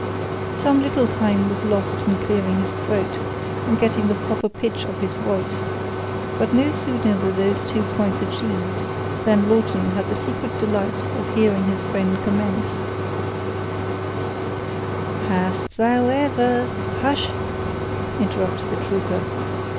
Some little time was lost in clearing his throat, and getting the proper pitch of his voice; but no sooner were these two points achieved, than Lawton had the secret delight of hearing his friend commence— "'Hast thou ever'"— "Hush!" interrupted the trooper.